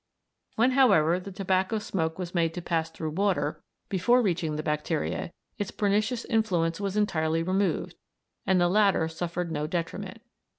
When, however, the tobacco smoke was made to pass through water before reaching the bacteria, its pernicious influence was entirely removed, and the latter suffered no detriment.